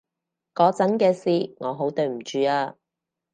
嗰陣嘅事，我好對唔住啊